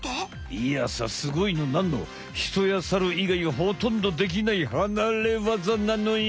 いやさすごいのなんのヒトやサルいがいはほとんどできないはなれわざなのよ！